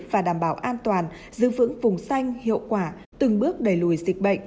và đảm bảo an toàn giữ vững vùng xanh hiệu quả từng bước đẩy lùi dịch bệnh